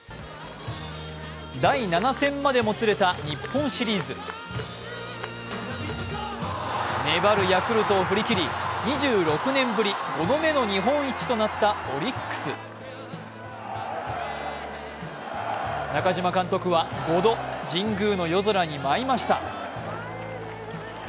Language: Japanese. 第７戦までもつれた日本シリーズ。粘るヤクルトを振りきり２６年ぶり５度目の日本一となったオリックス中嶋監督は５度神宮の夜空に舞いました。